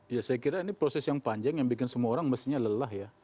ya saya kira ini proses yang panjang yang bikin semua orang mestinya lelah ya